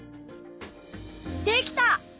できた！